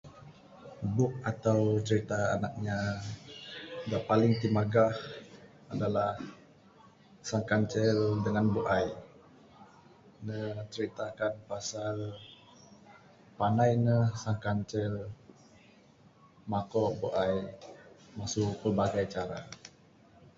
Book atau crita anak inya da paling timagah adalah sang kancil dengan bu'ai. Da crita ti critakan pasal panai ne sang kancil makok bu'ai, masu pelbagai cara.